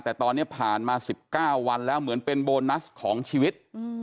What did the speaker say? แต่ตอนนี้ผ่านมา๑๙วันแล้วเหมือนเป็นโบนัสของชีวิต